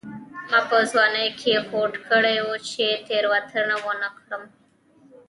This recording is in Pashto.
ما په ځوانۍ کې هوډ کړی و چې تېروتنه ونه کړم.